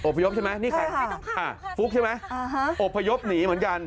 พยพใช่ไหมนี่ใครฟุกใช่ไหมอบพยพหนีเหมือนกัน